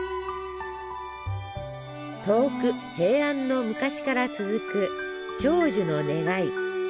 遠く平安の昔から続く長寿の願い。